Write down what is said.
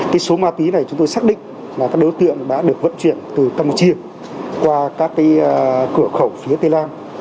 cái số ma túy này chúng tôi xác định là các đối tượng đã được vận chuyển từ tâm chiêng qua các cửa khẩu phía tây lan